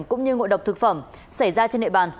cũng như ngội độc thực phẩm xảy ra trên hệ bàn